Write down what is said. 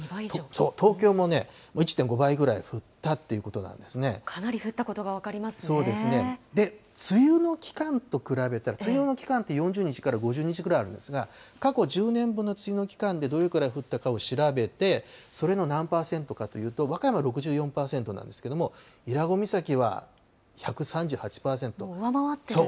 東京もね、１．５倍ぐらい降かなり降ったことが分かりまそうですね、梅雨の期間と比べたら、梅雨の期間って、４０日から５０日ぐらいあるんですが、過去１０年分の梅雨の期間でどれくらい降ったかを調べて、それの何％かというと、和歌山６４％なんですけれども、伊良湖岬は１３上回っているんですね。